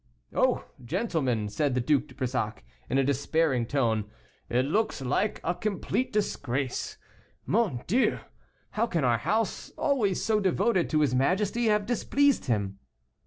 "Oh! gentlemen," said the Duc de Brissac, in a despairing tone, "it looks like a complete disgrace. Mon Dieu! how can our house, always so devoted to his majesty, have displeased him?"